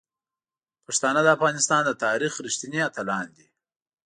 پښتانه د افغانستان د تاریخ رښتیني اتلان دي.